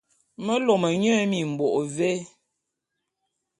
Me lôme nye mimbôk vé?